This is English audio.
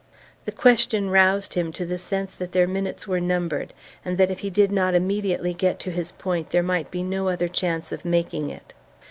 The question roused him to the sense that their minutes were numbered, and that if he did not immediately get to his point there might be no other chance of making it.